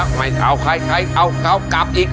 เอาไข้เอากลับอีก